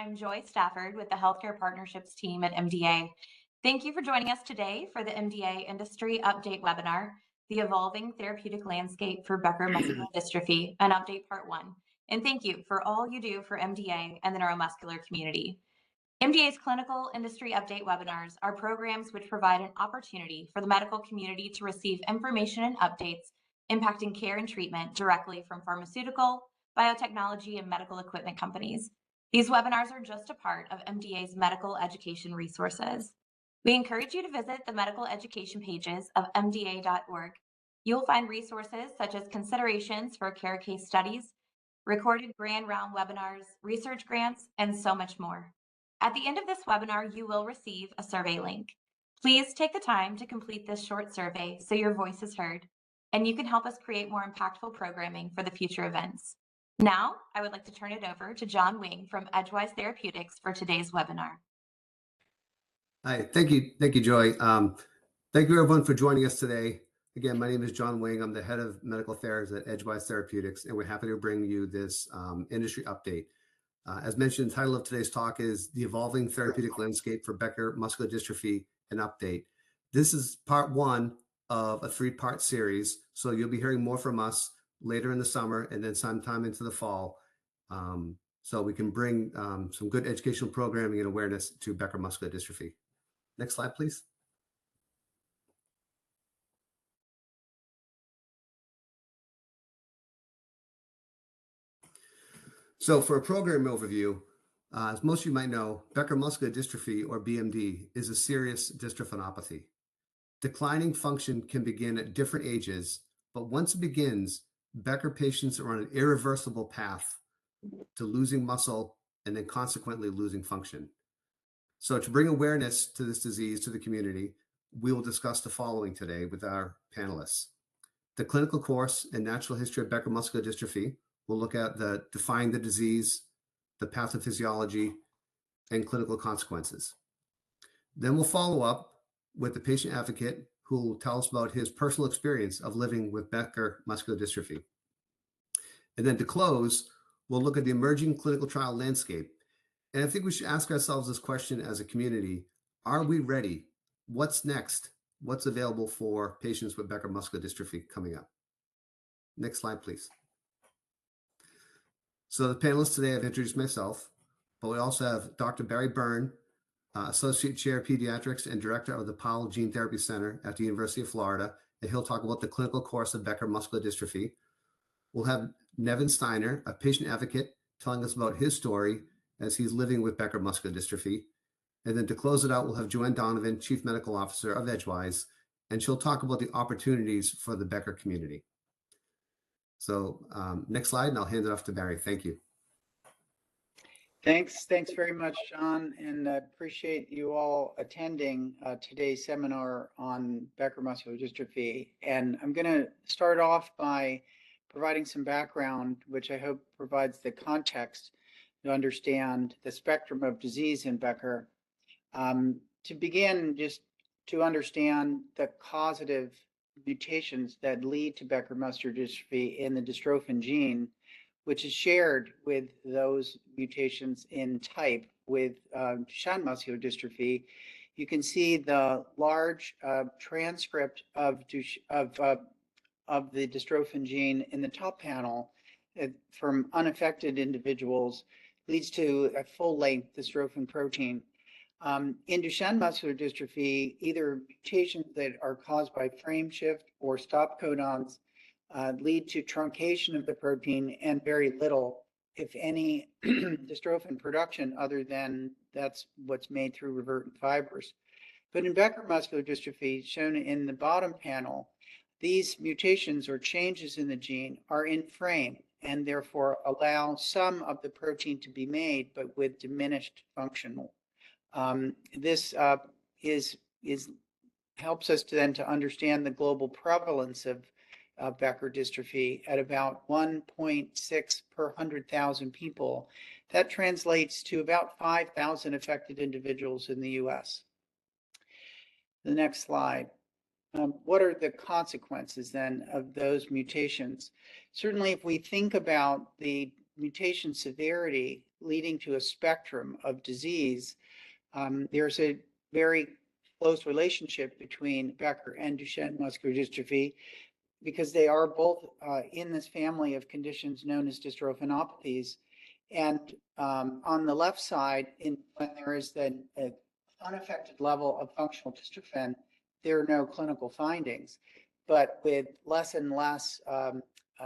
I'm Joy Stafford with the Healthcare Partnerships Team at MDA. Thank you for joining us today for the MDA Industry Update Webinar, The Evolving Therapeutic Landscape for Becker Muscular Dystrophy, an Update Part One. And thank you for all you do for MDA and the neuromuscular community. MDA's Clinical Industry Update Webinars are programs which provide an opportunity for the medical community to receive information and updates impacting care and treatment directly from pharmaceutical, biotechnology, and medical equipment companies. These webinars are just a part of MDA's medical education resources. We encourage you to visit the medical education pages of mda.org. You'll find resources such as Considerations for Care case studies, recorded Grand Rounds webinars, research grants, and so much more. At the end of this webinar, you will receive a survey link. Please take the time to complete this short survey so your voice is heard, and you can help us create more impactful programming for the future events. Now, I would like to turn it over to John Wing from Edgewise Therapeutics for today's webinar. Hi. Thank you. Thank you, Joy. Thank you, everyone, for joining us today. Again, my name is John Wing. I'm the head of Medical Affairs at Edgewise Therapeutics, and we're happy to bring you this industry update. As mentioned, the title of today's talk is The Evolving Therapeutic Landscape for Becker Muscular Dystrophy, an Update. This is part one of a three-part series, so you'll be hearing more from us later in the summer and then sometime into the fall so we can bring some good educational programming and awareness to Becker muscular dystrophy. Next slide, please. So for a program overview, as most of you might know, Becker muscular dystrophy, or BMD, is a serious dystrophinopathy. Declining function can begin at different ages, but once it begins, Becker patients are on an irreversible path to losing muscle and then consequently losing function. To bring awareness to this disease to the community, we will discuss the following today with our panelists. The clinical course and natural history of Becker muscular dystrophy. We'll look at defining the disease, the pathophysiology, and clinical consequences. Then we'll follow up with the patient advocate who will tell us about his personal experience of living with Becker muscular dystrophy. And then to close, we'll look at the emerging clinical trial landscape. And I think we should ask ourselves this question as a community: Are we ready? What's next? What's available for patients with Becker muscular dystrophy coming up? Next slide, please. So the panelists today, I've introduced myself, but we also have Dr. Barry Byrne, Associate Chair of Pediatrics and Director of the Powell Gene Therapy Center at the University of Florida. And he'll talk about the clinical course of Becker muscular dystrophy. We'll have Nevin Steiner, a patient advocate, telling us about his story as he's living with Becker muscular dystrophy. And then to close it out, we'll have Joanne Donovan, Chief Medical Officer of Edgewise, and she'll talk about the opportunities for the Becker community. So next slide, and I'll hand it off to Barry. Thank you. Thanks. Thanks very much, John, and I appreciate you all attending today's seminar on Becker muscular dystrophy. I'm going to start off by providing some background, which I hope provides the context to understand the spectrum of disease in Becker. To begin, just to understand the causative mutations that lead to Becker muscular dystrophy in the dystrophin gene, which is shared with those mutations in Duchenne muscular dystrophy, you can see the large transcript of the dystrophin gene in the top panel from unaffected individuals leads to a full-length dystrophin protein. In Duchenne muscular dystrophy, either mutations that are caused by frameshift or stop codons lead to truncation of the protein and very little, if any, dystrophin production other than what's made through revertant fibers. But in Becker muscular dystrophy, shown in the bottom panel, these mutations or changes in the gene are in frame and therefore allow some of the protein to be made, but with diminished function. This helps us then to understand the global prevalence of Becker dystrophy at about 1.6 per 100,000 people. That translates to about 5,000 affected individuals in the U.S. The next slide. What are the consequences then of those mutations? Certainly, if we think about the mutation severity leading to a spectrum of disease, there's a very close relationship between Becker and Duchenne muscular dystrophy because they are both in this family of conditions known as dystrophinopathies. And on the left side, when there is an unaffected level of functional dystrophin, there are no clinical findings. But with less and less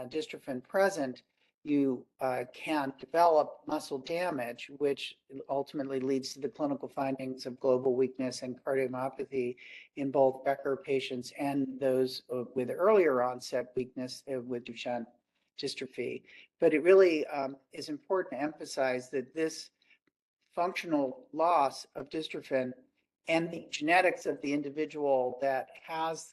dystrophin present, you can develop muscle damage, which ultimately leads to the clinical findings of global weakness and cardiomyopathy in both Becker patients and those with earlier onset weakness with Duchenne dystrophy. But it really is important to emphasize that this functional loss of dystrophin and the genetics of the individual that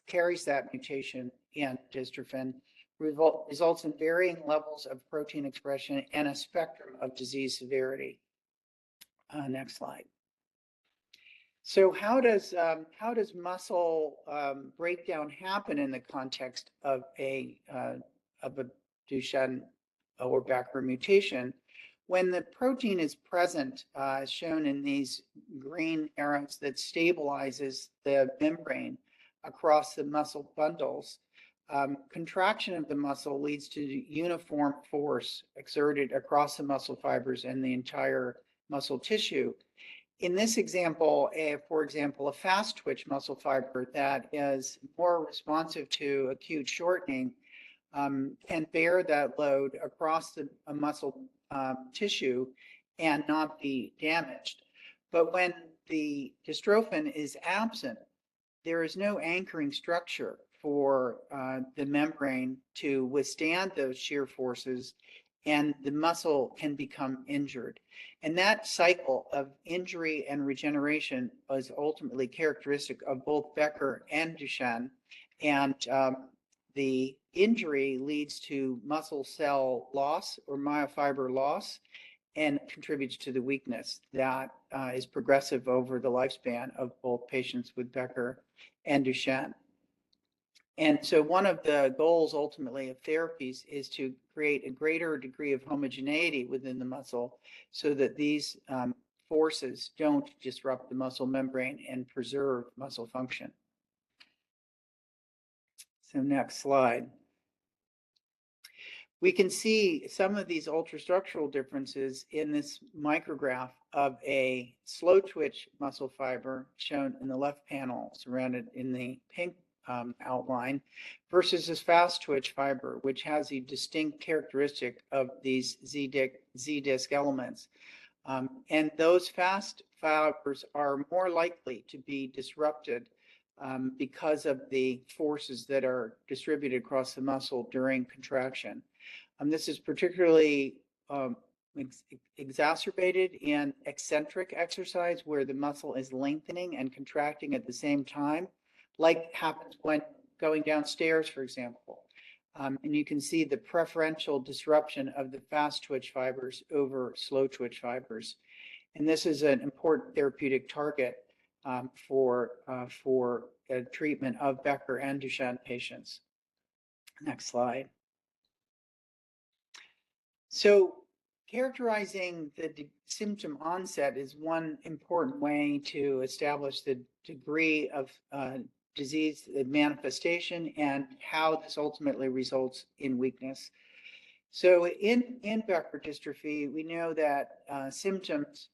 carries that mutation in dystrophin results in varying levels of protein expression and a spectrum of disease severity. Next slide. So how does muscle breakdown happen in the context of a Duchenne or Becker mutation? When the protein is present, as shown in these green arrows, that stabilizes the membrane across the muscle bundles, contraction of the muscle leads to uniform force exerted across the muscle fibers and the entire muscle tissue. In this example, for example, a fast-twitch muscle fiber that is more responsive to acute shortening can bear that load across the muscle tissue and not be damaged. But when the dystrophin is absent, there is no anchoring structure for the membrane to withstand those shear forces, and the muscle can become injured. And that cycle of injury and regeneration is ultimately characteristic of both Becker and Duchenne. And the injury leads to muscle cell loss or myofiber loss and contributes to the weakness that is progressive over the lifespan of both patients with Becker and Duchenne. And so one of the goals ultimately of therapies is to create a greater degree of homogeneity within the muscle so that these forces don't disrupt the muscle membrane and preserve muscle function. So next slide. We can see some of these ultrastructural differences in this micrograph of a slow-twitch muscle fiber shown in the left panel surrounded in the pink outline versus this fast-twitch fiber, which has a distinct characteristic of these Z-disc elements. And those fast fibers are more likely to be disrupted because of the forces that are distributed across the muscle during contraction. This is particularly exacerbated in eccentric exercise where the muscle is lengthening and contracting at the same time, like happens when going downstairs, for example. And you can see the preferential disruption of the fast-twitch fibers over slow-twitch fibers. And this is an important therapeutic target for treatment of Becker and Duchenne patients. Next slide. So characterizing the symptom onset is one important way to establish the degree of disease manifestation and how this ultimately results in weakness. In Becker muscular dystrophy, we know that symptoms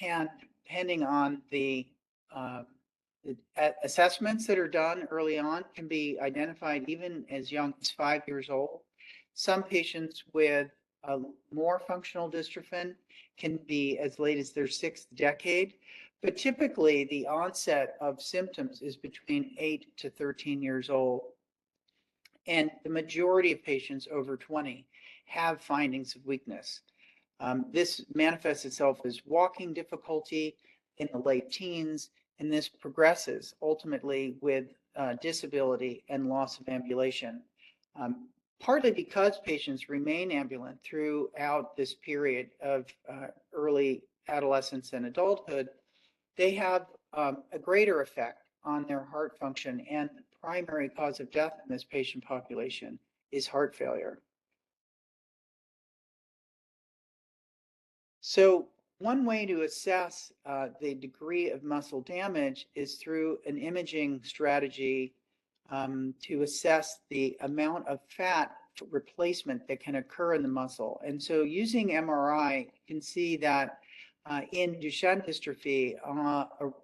can, depending on the assessments that are done early on, can be identified even as young as five years old. Some patients with more functional dystrophin can be as late as their sixth decade. Typically, the onset of symptoms is between 8 to 13 years old. The majority of patients over 20 have findings of weakness. This manifests itself as walking difficulty in the late teens, and this progresses ultimately with disability and loss of ambulation. Partly because patients remain ambulant throughout this period of early adolescence and adulthood, they have a greater effect on their heart function. The primary cause of death in this patient population is heart failure. One way to assess the degree of muscle damage is through an imaging strategy to assess the amount of fat replacement that can occur in the muscle. And so using MRI, you can see that in Duchenne dystrophy,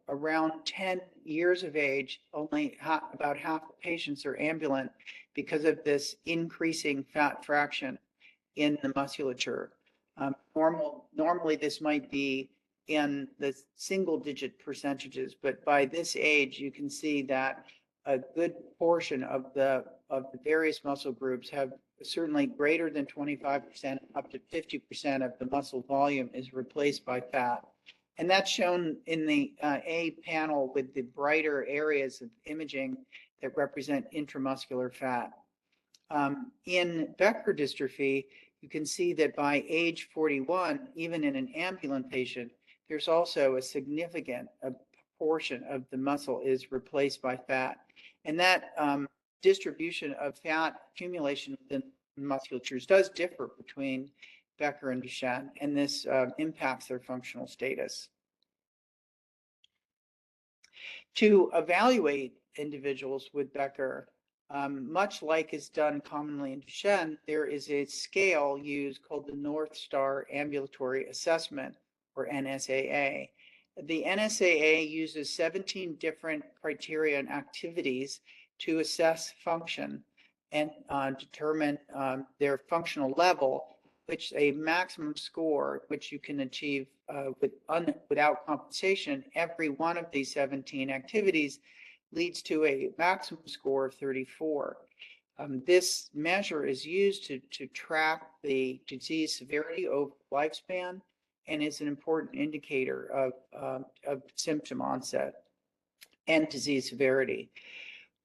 around ten years of age, only about half the patients are ambulant because of this increasing fat fraction in the musculature. Normally, this might be in the single-digit percentages, but by this age, you can see that a good portion of the various muscle groups have certainly greater than 25%, up to 50% of the muscle volume is replaced by fat. And that's shown in the A panel with the brighter areas of imaging that represent intramuscular fat. In Becker dystrophy, you can see that by age 41, even in an ambulant patient, there's also a significant portion of the muscle that is replaced by fat. And that distribution of fat accumulation within musculatures does differ between Becker and Duchenne, and this impacts their functional status. To evaluate individuals with Becker, much like is done commonly in Duchenne, there is a scale used called the North Star Ambulatory Assessment, or NSAA. The NSAA uses 17 different criteria and activities to assess function and determine their functional level, with a maximum score, which you can achieve without compensation. Every one of these 17 activities leads to a maximum score of 34. This measure is used to track the disease severity over lifespan and is an important indicator of symptom onset and disease severity.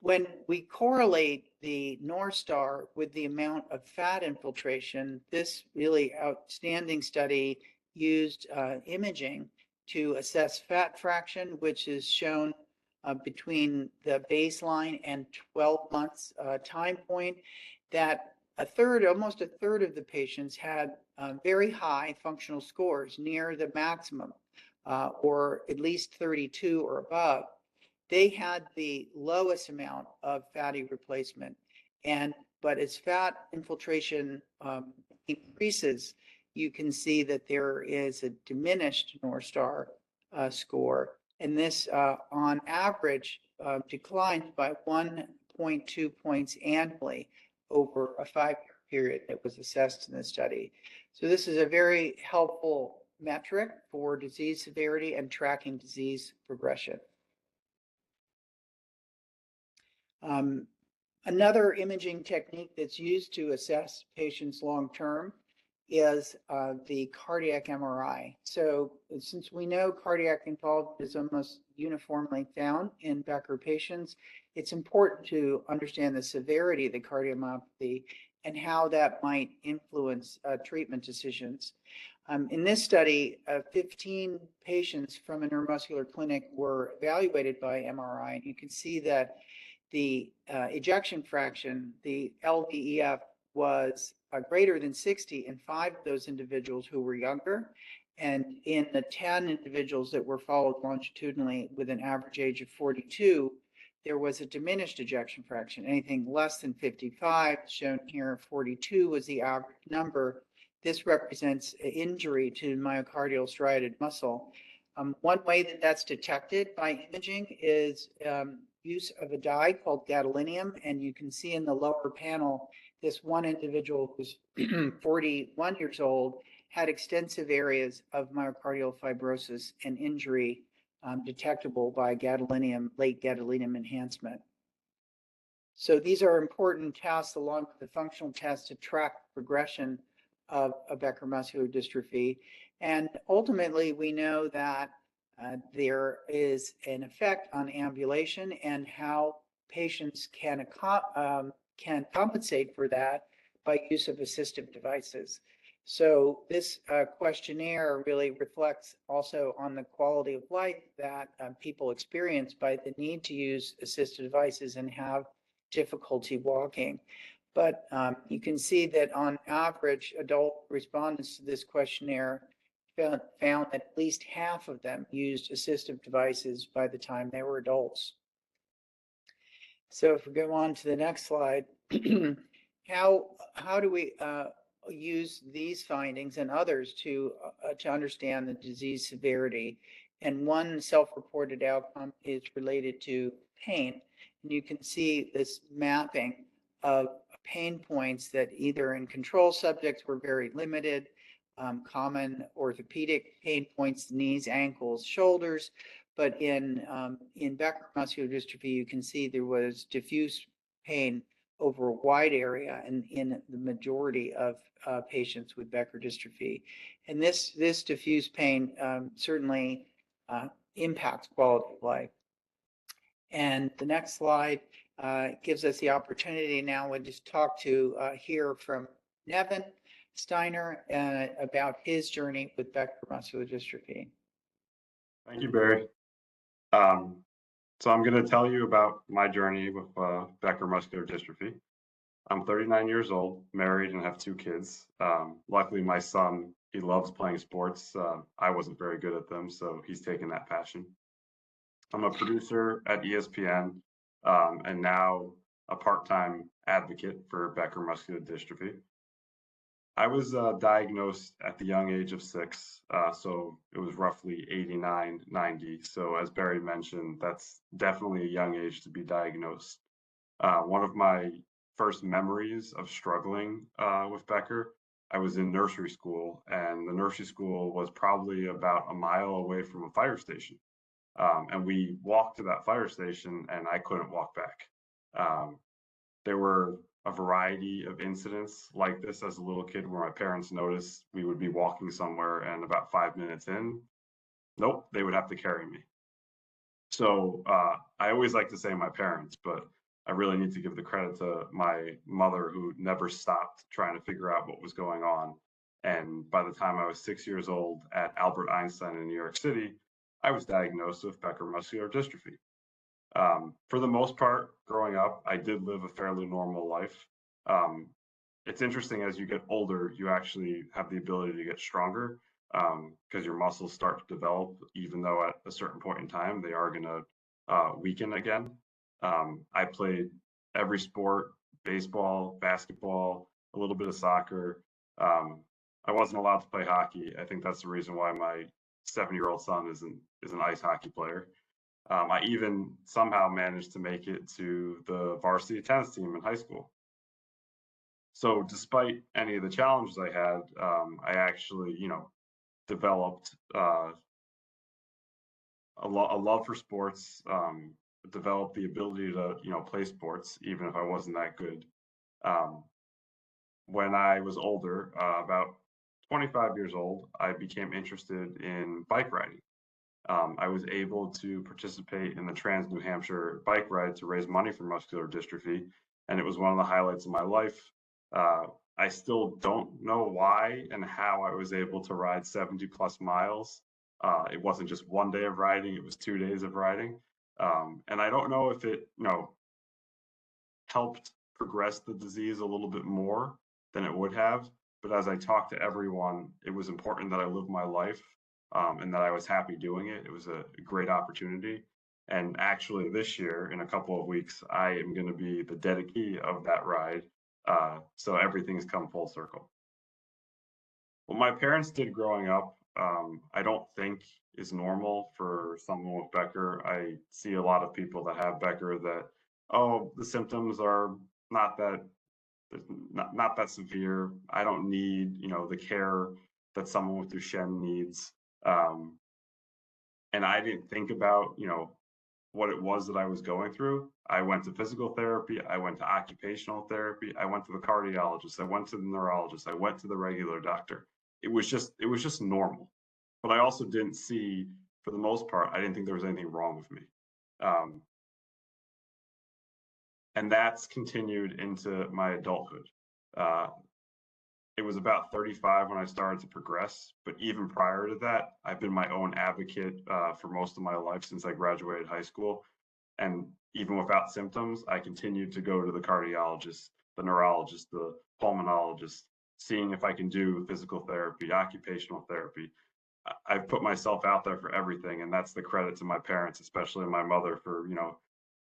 When we correlate the North Star with the amount of fat infiltration, this really outstanding study used imaging to assess fat fraction, which is shown between the baseline and 12-month time point. That a third, almost a third, of the patients had very high functional scores near the maximum, or at least 32 or above. They had the lowest amount of fatty replacement. As fat infiltration increases, you can see that there is a diminished North Star score. This, on average, declined by 1.2 points annually over a five-year period that was assessed in this study. This is a very helpful metric for disease severity and tracking disease progression. Another imaging technique that's used to assess patients long-term is the cardiac MRI. Since we know cardiac involvement is almost uniformly found in Becker patients, it's important to understand the severity of the cardiomyopathy and how that might influence treatment decisions. In this study, 15 patients from a neuromuscular clinic were evaluated by MRI. You can see that the ejection fraction, the LVEF, was greater than 60 in five of those individuals who were younger. In the ten individuals that were followed longitudinally with an average age of 42, there was a diminished ejection fraction. Anything less than 55, shown here, 42 was the average number. This represents an injury to myocardial striated muscle. One way that that's detected by imaging is use of a dye called gadolinium. And you can see in the lower panel, this one individual who's 41 years old had extensive areas of myocardial fibrosis and injury detectable by gadolinium, late gadolinium enhancement. So these are important tests along with the functional tests to track progression of Becker muscular dystrophy. And ultimately, we know that there is an effect on ambulation and how patients can compensate for that by use of assistive devices. So this questionnaire really reflects also on the quality of life that people experience by the need to use assistive devices and have difficulty walking. But you can see that on average, adult respondents to this questionnaire found at least half of them used assistive devices by the time they were adults. So if we go on to the next slide, how do we use these findings and others to understand the disease severity? And one self-reported outcome is related to pain. And you can see this mapping of pain points that either in control subjects were very limited, common orthopedic pain points, knees, ankles, shoulders. But in Becker muscular dystrophy, you can see there was diffuse pain over a wide area in the majority of patients with Becker dystrophy. And this diffuse pain certainly impacts quality of life. And the next slide gives us the opportunity now to hear from Nevin Steiner about his journey with Becker muscular dystrophy. Thank you, Barry. I'm going to tell you about my journey with Becker muscular dystrophy. I'm 39 years old, married, and have two kids. Luckily, my son, he loves playing sports. I wasn't very good at them, so he's taken that passion. I'm a producer at ESPN and now a part-time advocate for Becker muscular dystrophy. I was diagnosed at the young age of six, so it was roughly 1989, 1990. So as Barry mentioned, that's definitely a young age to be diagnosed. One of my first memories of struggling with Becker, I was in nursery school, and the nursery school was probably about a mile away from a fire station. And we walked to that fire station, and I couldn't walk back. There were a variety of incidents like this as a little kid where my parents noticed we would be walking somewhere, and about five minutes in, nope, they would have to carry me. So I always like to say my parents, but I really need to give the credit to my mother who never stopped trying to figure out what was going on. And by the time I was six years old at Albert Einstein in New York City, I was diagnosed with Becker muscular dystrophy. For the most part, growing up, I did live a fairly normal life. It's interesting as you get older, you actually have the ability to get stronger because your muscles start to develop, even though at a certain point in time they are going to weaken again. I played every sport, baseball, basketball, a little bit of soccer. I wasn't allowed to play hockey. I think that's the reason why my seven-year-old son is an ice hockey player. I even somehow managed to make it to the varsity tennis team in high school. So despite any of the challenges I had, I actually developed a love for sports, developed the ability to play sports even if I wasn't that good. When I was older, about 25 years old, I became interested in bike riding. I was able to participate in the Trans New Hampshire Bike Ride to raise money for muscular dystrophy, and it was one of the highlights of my life. I still don't know why and how I was able to ride 70-plus miles. It wasn't just one day of riding. It was two days of riding. And I don't know if it helped progress the disease a little bit more than it would have. As I talked to everyone, it was important that I live my life and that I was happy doing it. It was a great opportunity. Actually, this year, in a couple of weeks, I am going to be the director of that ride. Everything has come full circle. What my parents did growing up, I don't think is normal for someone with Becker. I see a lot of people that have Becker that, "Oh, the symptoms are not that severe. I don't need the care that someone with Duchenne needs." I didn't think about what it was that I was going through. I went to physical therapy. I went to occupational therapy. I went to the cardiologist. I went to the neurologist. I went to the regular doctor. It was just normal. But I also didn't see, for the most part, I didn't think there was anything wrong with me. And that's continued into my adulthood. It was about 35 when I started to progress. But even prior to that, I've been my own advocate for most of my life since I graduated high school. And even without symptoms, I continued to go to the cardiologist, the neurologist, the pulmonologist, seeing if I can do physical therapy, occupational therapy. I've put myself out there for everything. And that's the credit to my parents, especially my mother, for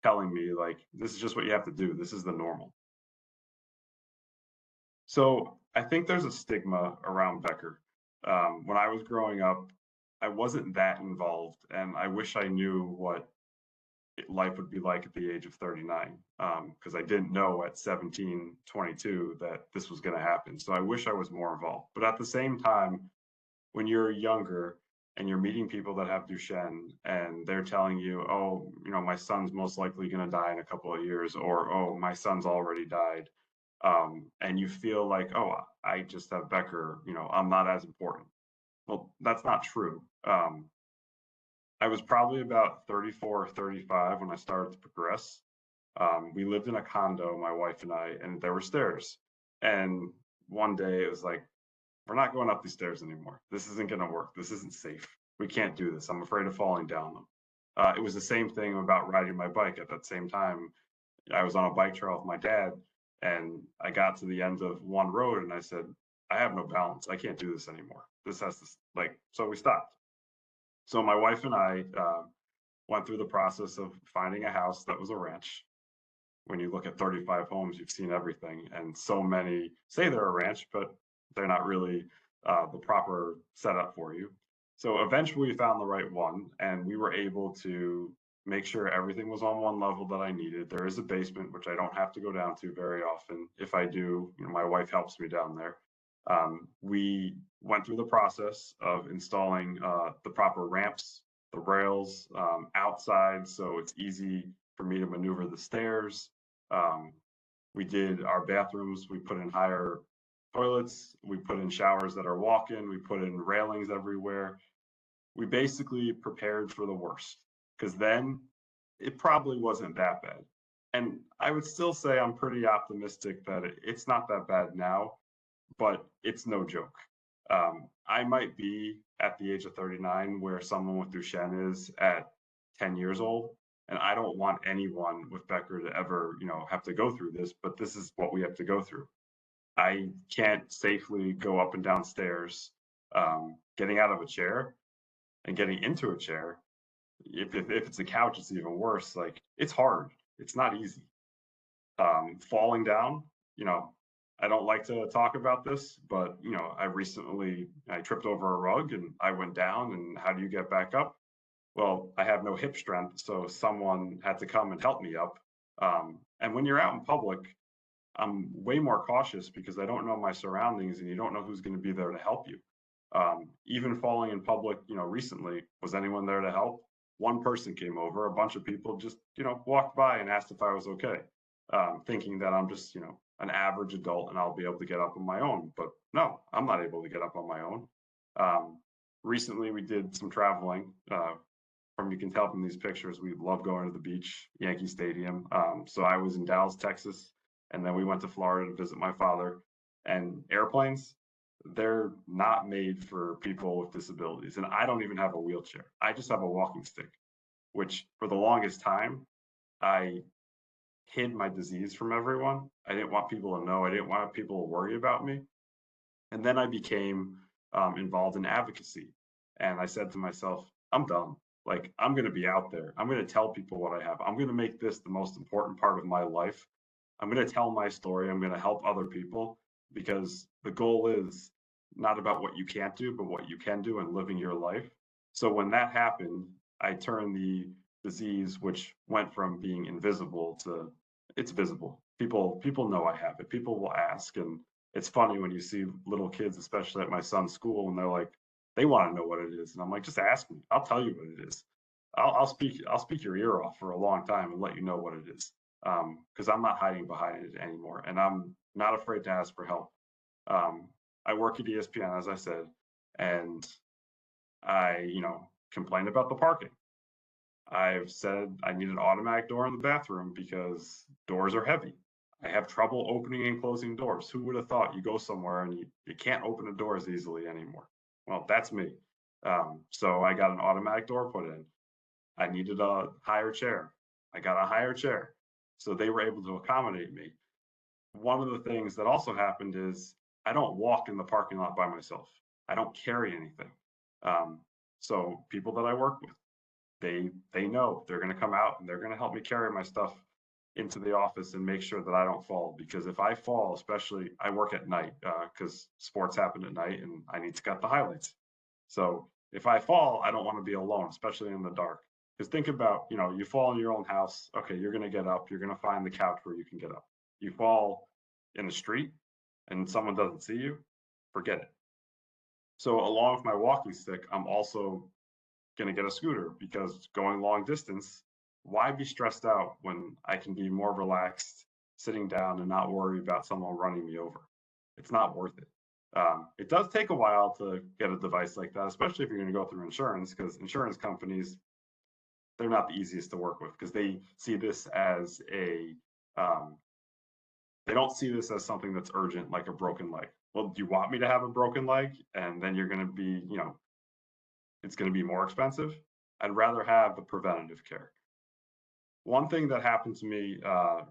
telling me, "This is just what you have to do. This is the normal." So I think there's a stigma around Becker. When I was growing up, I wasn't that involved. And I wish I knew what life would be like at the age of 39 because I didn't know at 17, 22 that this was going to happen. So I wish I was more involved. But at the same time, when you're younger and you're meeting people that have Duchenne and they're telling you, "Oh, my son's most likely going to die in a couple of years," or, "Oh, my son's already died," and you feel like, "Oh, I just have Becker. I'm not as important." Well, that's not true. I was probably about 34, 35 when I started to progress. We lived in a condo, my wife and I, and there were stairs. And one day it was like, "We're not going up these stairs anymore. This isn't going to work. This isn't safe. We can't do this. I'm afraid of falling down." It was the same thing about riding my bike. At that same time, I was on a bike trail with my dad, and I got to the end of one road and I said, "I have no balance. I can't do this anymore. This has to stop." So we stopped. So my wife and I went through the process of finding a house that was a ranch. When you look at 35 homes, you've seen everything. And so many say they're a ranch, but they're not really the proper setup for you. So eventually, we found the right one, and we were able to make sure everything was on one level that I needed. There is a basement, which I don't have to go down to very often. If I do, my wife helps me down there. We went through the process of installing the proper ramps, the rails outside so it's easy for me to maneuver the stairs. We did our bathrooms. We put in higher toilets. We put in showers that are walk-in. We put in railings everywhere. We basically prepared for the worst because then it probably wasn't that bad, and I would still say I'm pretty optimistic that it's not that bad now, but it's no joke. I might be at the age of 39 where someone with Duchenne is at 10 years old, and I don't want anyone with Becker to ever have to go through this, but this is what we have to go through. I can't safely go up and down stairs, getting out of a chair and getting into a chair. If it's a couch, it's even worse. It's hard. It's not easy. Falling down, I don't like to talk about this, but I recently tripped over a rug, and I went down, and how do you get back up, well, I have no hip strength, so someone had to come and help me up, and when you're out in public, I'm way more cautious because I don't know my surroundings, and you don't know who's going to be there to help you. Even falling in public recently, was anyone there to help? One person came over. A bunch of people just walked by and asked if I was okay, thinking that I'm just an average adult and I'll be able to get up on my own, but no, I'm not able to get up on my own. Recently, we did some traveling. You can tell from these pictures, we love going to the beach, Yankee Stadium. So I was in Dallas, Texas, and then we went to Florida to visit my father. And airplanes, they're not made for people with disabilities. And I don't even have a wheelchair. I just have a walking stick, which for the longest time, I hid my disease from everyone. I didn't want people to know. I didn't want people to worry about me. And then I became involved in advocacy. And I said to myself, "I'm done. I'm going to be out there. I'm going to tell people what I have. I'm going to make this the most important part of my life. I'm going to tell my story. I'm going to help other people because the goal is not about what you can't do, but what you can do and living your life." So when that happened, I turned the disease, which went from being invisible to it's visible. People know I have it. People will ask. And it's funny when you see little kids, especially at my son's school, and they're like, they want to know what it is. And I'm like, just ask me. I'll tell you what it is. I'll speak your ear off for a long time and let you know what it is because I'm not hiding behind it anymore. And I'm not afraid to ask for help. I work at ESPN, as I said, and I complained about the parking. I've said I need an automatic door in the bathroom because doors are heavy. I have trouble opening and closing doors. Who would have thought you go somewhere and you can't open the doors easily anymore? Well, that's me. So I got an automatic door put in. I needed a higher chair. I got a higher chair. So they were able to accommodate me. One of the things that also happened is I don't walk in the parking lot by myself. I don't carry anything. So people that I work with, they know they're going to come out, and they're going to help me carry my stuff into the office and make sure that I don't fall. Because if I fall, especially I work at night because sports happen at night, and I need to cut the highlights. So if I fall, I don't want to be alone, especially in the dark. Because think about you fall in your own house. Okay, you're going to get up. You're going to find the couch where you can get up. You fall in the street, and someone doesn't see you. Forget it. So along with my walking stick, I'm also going to get a scooter because going long distance, why be stressed out when I can be more relaxed sitting down and not worry about someone running me over? It's not worth it. It does take a while to get a device like that, especially if you're going to go through insurance because insurance companies, they're not the easiest to work with because they don't see this as something that's urgent, like a broken leg. Well, do you want me to have a broken leg? And then it's going to be more expensive. I'd rather have the preventative care. One thing that happened to me a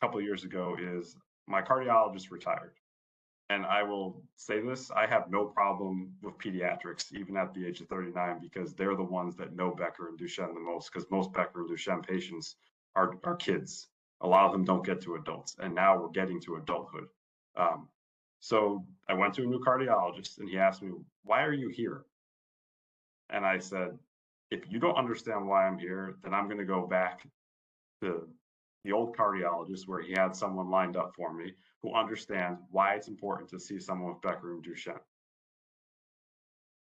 couple of years ago is my cardiologist retired. And I will say this. I have no problem with pediatrics, even at the age of 39, because they're the ones that know Becker and Duchenne the most because most Becker and Duchenne patients are kids. A lot of them don't get to adults. And now we're getting to adulthood. So I went to a new cardiologist, and he asked me, "Why are you here?" And I said, "If you don't understand why I'm here, then I'm going to go back to the old cardiologist where he had someone lined up for me who understands why it's important to see someone with Becker and Duchenne."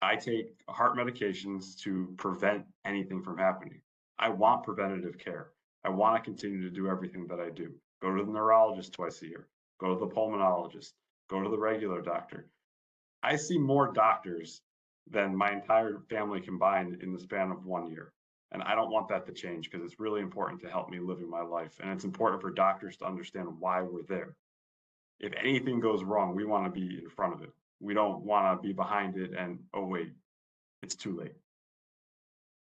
I take heart medications to prevent anything from happening. I want preventative care. I want to continue to do everything that I do. Go to the neurologist twice a year. Go to the pulmonologist. Go to the regular doctor. I see more doctors than my entire family combined in the span of one year, and I don't want that to change because it's really important to help me live my life, and it's important for doctors to understand why we're there. If anything goes wrong, we want to be in front of it. We don't want to be behind it and, "Oh, wait, it's too late."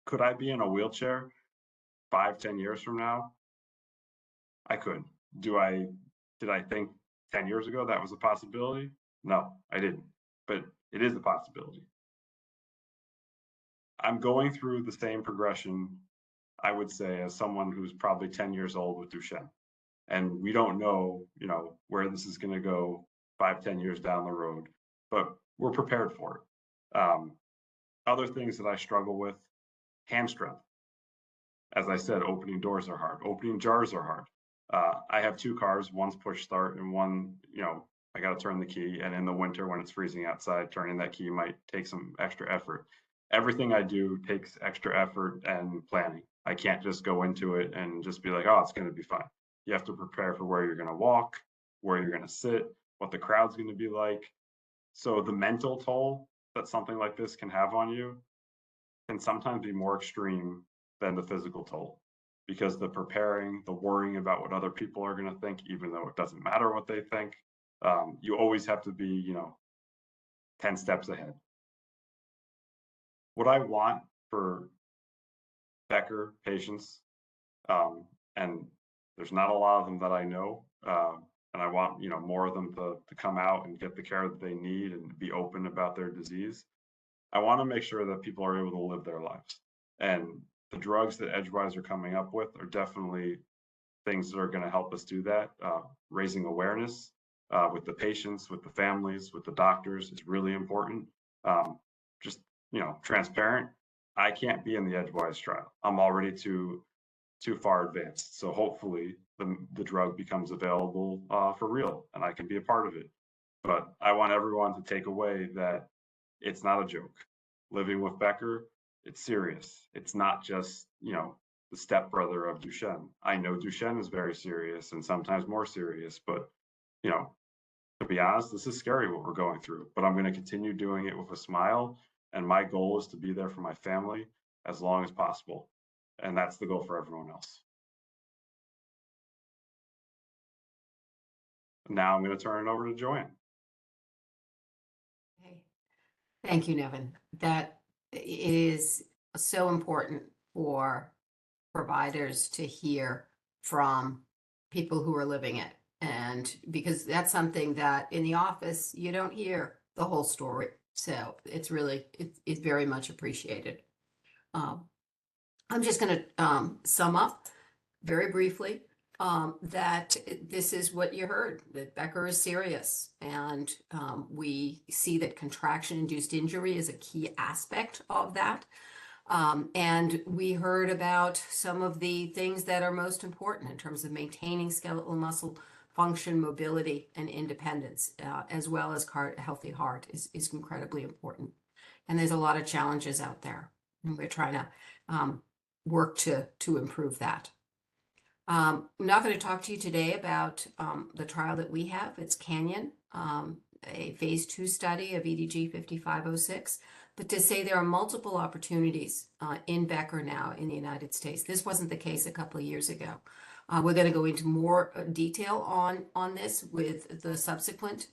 Could I be in a wheelchair 5-10 years from now? I could. Did I think 10 years ago that was a possibility? No, I didn't, but it is a possibility. I'm going through the same progression, I would say, as someone who's probably 10 years old with Duchenne, and we don't know where this is going to go 5-10 years down the road, but we're prepared for it. Other things that I struggle with, hamstring. As I said, opening doors are hard. Opening jars are hard. I have two cars. One's push-start, and one I got to turn the key. And in the winter, when it's freezing outside, turning that key might take some extra effort. Everything I do takes extra effort and planning. I can't just go into it and just be like, "Oh, it's going to be fine." You have to prepare for where you're going to walk, where you're going to sit, what the crowd's going to be like. So the mental toll that something like this can have on you can sometimes be more extreme than the physical toll because the preparing, the worrying about what other people are going to think, even though it doesn't matter what they think, you always have to be 10 steps ahead. What I want for Becker patients, and there's not a lot of them that I know, and I want more of them to come out and get the care that they need and be open about their disease. I want to make sure that people are able to live their lives. And the drugs that Edgewise are coming up with are definitely things that are going to help us do that. Raising awareness with the patients, with the families, with the doctors is really important. Just transparent. I can't be in the Edgewise trial. I'm already too far advanced. So hopefully, the drug becomes available for real, and I can be a part of it. But I want everyone to take away that it's not a joke. Living with Becker, it's serious. It's not just the stepbrother of Duchenne. I know Duchenne is very serious and sometimes more serious. But to be honest, this is scary what we're going through. But I'm going to continue doing it with a smile. And my goal is to be there for my family as long as possible. And that's the goal for everyone else. Now I'm going to turn it over to Joanne. Okay. Thank you, Nevin. That is so important for providers to hear from people who are living it, and because that's something that in the office, you don't hear the whole story, so it's very much appreciated. I'm just going to sum up very briefly that this is what you heard, that Becker is serious, and we see that contraction-induced injury is a key aspect of that, and we heard about some of the things that are most important in terms of maintaining skeletal muscle function, mobility, and independence, as well as a healthy heart is incredibly important, and there's a lot of challenges out there, and we're trying to work to improve that. I'm not going to talk to you today about the trial that we have. It's Canyon, a Phase 2 study of EDG-5506. But to say there are multiple opportunities in Becker now in the United States. This wasn't the case a couple of years ago. We're going to go into more detail on this with the subsequent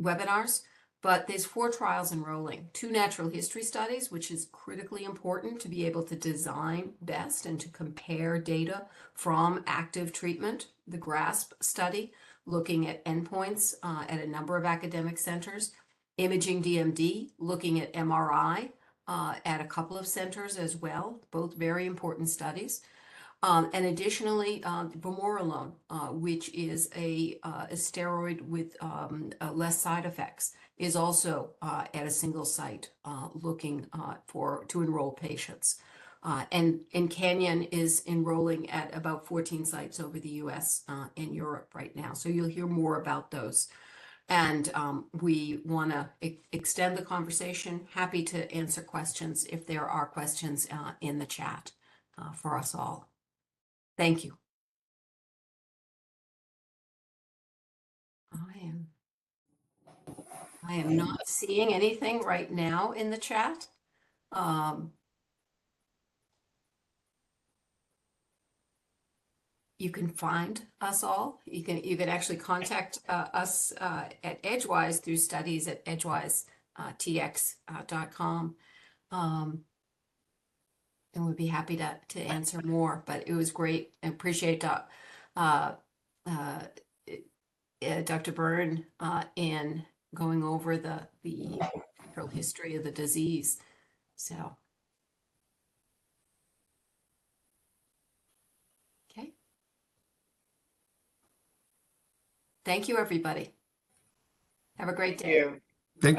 webinars. But there's four trials enrolling: two natural history studies, which is critically important to be able to design best and to compare data from active treatment, the GRASP study, looking at endpoints at a number of academic centers, ImagingDMD, looking at MRI at a couple of centers as well, both very important studies. And additionally, Vamorolone, which is a steroid with less side effects, is also at a single site looking to enroll patients. And Canyon is enrolling at about 14 sites over the U.S. and Europe right now. So you'll hear more about those. And we want to extend the conversation. Happy to answer questions if there are questions in the chat for us all. Thank you. I am not seeing anything right now in the chat. You can find us all. You can actually contact us at Edgewise through studies@edgewisetx.com, and we'd be happy to answer more, but it was great. I appreciate Dr. Byrne in going over the actual history of the disease, so. Okay. Thank you, everybody. Have a great day. Thank you. Thank.